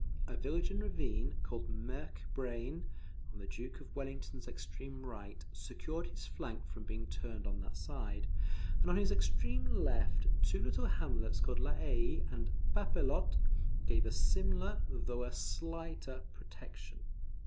A village and ravine, called Merk Braine, on the Duke of Wellington's extreme right, secured his flank from being turned on that side; and on his extreme left, two little hamlets called La Haye and Papelotte, gave a similar, though a slighter, protection.